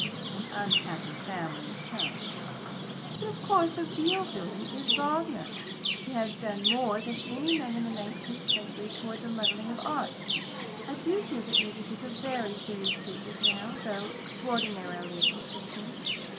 An unhappy family, if talented. "But, of course, the real villain is Wagner. He has done more than any man in the nineteenth century towards the muddling of arts. I do feel that music is in a very serious state just now, though extraordinarily interesting.